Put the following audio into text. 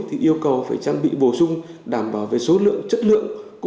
thì yêu cầu phải trang bị bổ sung đảm bảo về số